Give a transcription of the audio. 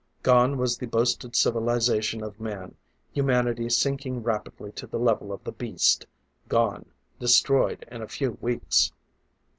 Gone was the boasted civilization of man humanity sinking rapidly to the level of the beast; gone, destroyed in a few weeks!